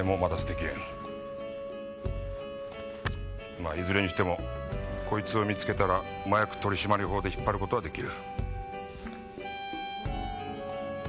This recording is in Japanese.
まあいずれにしてもこいつを見つけたら麻薬取締法で引っ張ることはできる。